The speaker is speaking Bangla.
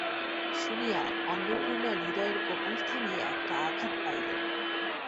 শুনিয়া অন্নপূর্ণা হৃদয়ের গোপন স্থানে একটা আঘাত পাইলেন।